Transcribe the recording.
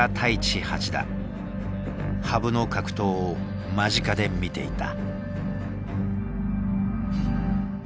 羽生の格闘を間近で見ていた。